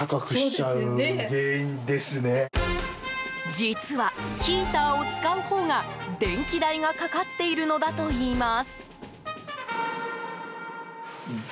実は、ヒーターを使うほうが電気代がかかっているのだといいます。